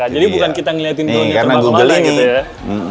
jadi bukan kita yang ngeliatin dronenya terbang kembali gitu ya